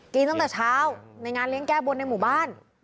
ตั้งแต่เช้าในงานเลี้ยงแก้บนในหมู่บ้าน